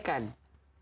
jangan juga disepelekan